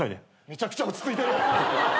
めちゃくちゃ落ち着いてる。